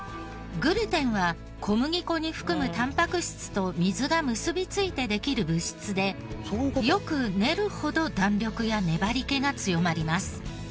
グルテンは小麦粉に含むタンパク質と水が結びついてできる物質でよく練るほど弾力や粘り気が強まります。